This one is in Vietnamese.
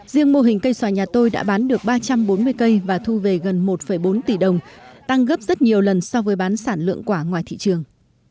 riêng mô hình cây xoài nhà tôi đã bán được ba trăm bốn mươi cây và thu về gần một bốn tỷ đồng tăng gấp rất nhiều lần so với bán sản lượng quả ngoài thị trường